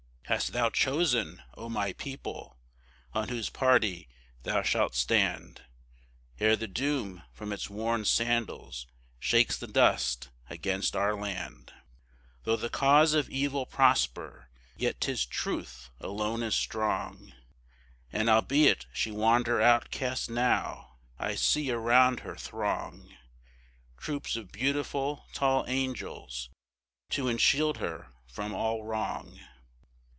Hast thou chosen, O my people, on whose party thou shalt stand, Ere the Doom from its worn sandals shakes the dust against our land? Though the cause of Evil prosper, yet 'tis Truth alone is strong, And, albeit she wander outcast now, I see around her throng Troops of beautiful, tall angels, to enshield her from all wrong.